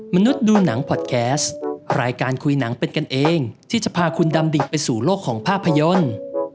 มนุษย์ดูหนังพอดแคสต์รายการคุยหนังเป็นกันเองที่จะพาคุณดำดิไปสู่โลกของภาพยนตร์